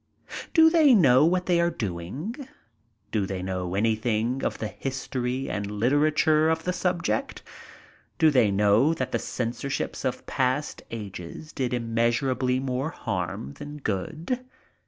Do they know what they are doing? Do they know anything of the histm^ and literature of the subject? Do they know that the censorships of past ages did immeasurably more harm than good?